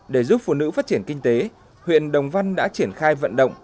trong lĩnh vụ phát triển kinh tế huyện đồng văn đã triển khai vận động